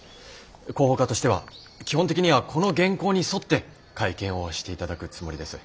広報課としては基本的にはこの原稿に沿って会見をしていただくつもりです。